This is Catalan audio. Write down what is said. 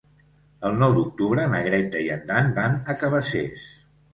El nou d'octubre na Greta i en Dan van a Cabacés.